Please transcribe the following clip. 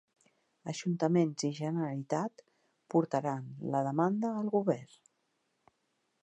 Ajuntaments i Generalitat portaran la demanda al govern